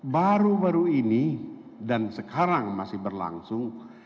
baru baru ini dan sekarang masih berlangsung